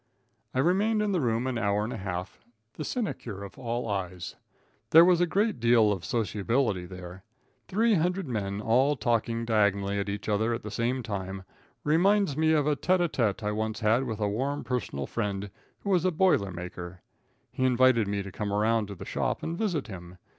I remained in the room an hour and a half, the cynosure of all eyes. There is a great deal of sociability there. Three hundred men all talking diagonally at each other at the same time, reminds me of a tete a tete I once had with a warm personal friend, who was a boiler maker. He invited me to come around to the shop and visit him.